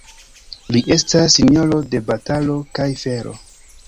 Li estas sinjoro de batalo kaj fero.